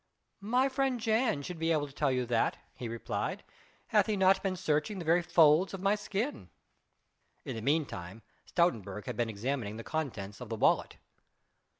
"My friend Jan should be able to tell you that," he replied, "hath he not been searching the very folds of my skin." In the meanwhile Stoutenburg had been examining the contents of the wallet.